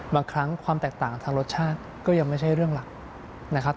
บางครั้งความแตกต่างทางรสชาติก็ยังไม่ใช่เรื่องหลักนะครับ